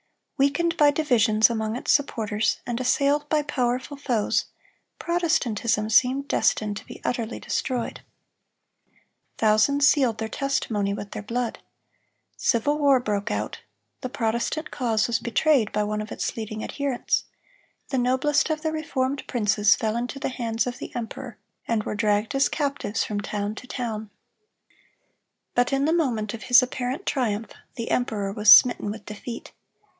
Weakened by divisions among its supporters, and assailed by powerful foes, Protestantism seemed destined to be utterly destroyed. Thousands sealed their testimony with their blood. Civil war broke out; the Protestant cause was betrayed by one of its leading adherents; the noblest of the reformed princes fell into the hands of the emperor, and were dragged as captives from town to town. But in the moment of his apparent triumph, the emperor was smitten with defeat.